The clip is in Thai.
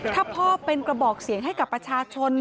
ถ้าพ่อเป็นกระบอกเสียงให้กับประชาชน